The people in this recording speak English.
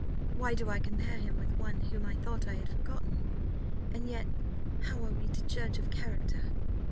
Why do I compare him with one whom I thought I had forgotten? And yet how are we to judge of character?